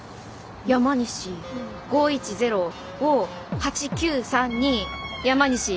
山西５１０を８９３２。